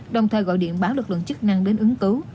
đồng thời gọi điện báo lực lượng chức năng đến ứng cứu